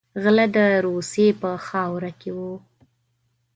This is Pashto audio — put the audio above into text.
غله د روسیې په خاوره کې وو.